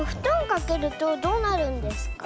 かけるとどうなるんですか？